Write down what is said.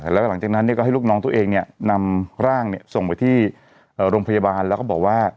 แล้วก็หลังจากนั้นก็ให้ลูกน้องตัวเองเนี่ยนำร่างส่งไปที่โรงพยาบาลแล้วก็บอกว่า